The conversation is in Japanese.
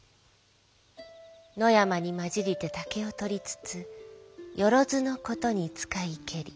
野山にまじりて竹を取りつつよろづのことに使ひけり。